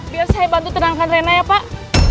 biar saya bantu terangkan rena ya pak